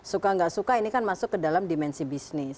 suka nggak suka ini kan masuk ke dalam dimensi bisnis